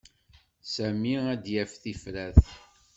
Sami ad d-yaf tifrat.